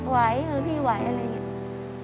เออพี่ไหวอะไรอย่างนี้